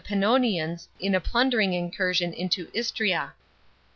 95 Pannonians in a plundering incursion into I stria.